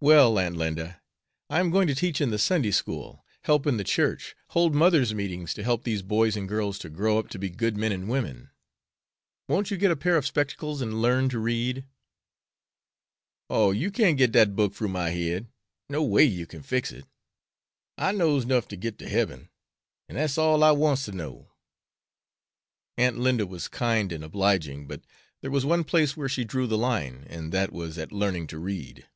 "Well, Aunt Linda, I am going to teach in the Sunday school, help in the church, hold mothers' meetings to help these boys and girls to grow up to be good men and women. Won't you get a pair of spectacles and learn to read?" "Oh, yer can't git dat book froo my head, no way you fix it. I knows nuff to git to hebben, and dat's all I wants to know." Aunt Linda was kind and obliging, but there was one place where she drew the line, and that was at learning to read.